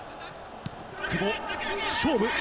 久保、勝負。